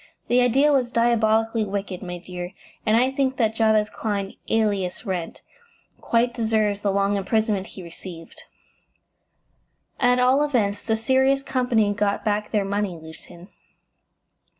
The idea was diabolically wicked, my dear, and I think that Jabez Clyne, alias Wrent, quite deserves the long imprisonment he received." "At all events, the Sirius Company got back their money, Lucian."